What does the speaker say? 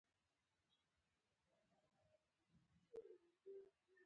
هغه وویل چې احمق جمال خان ټول خلک خبر کړل